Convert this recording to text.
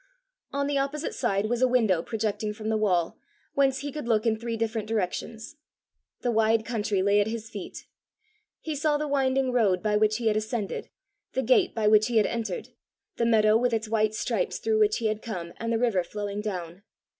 On the opposite side was a window projecting from the wall, whence he could look in three different directions. The wide country lay at his feet. He saw the winding road by which he had ascended, the gate by which he had entered, the meadow with its white stripes through which he had come, and the river flowing down.